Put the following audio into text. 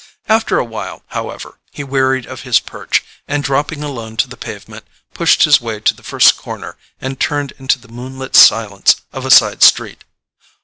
After a while, however, he wearied of his perch and, dropping alone to the pavement, pushed his way to the first corner and turned into the moonlit silence of a side street.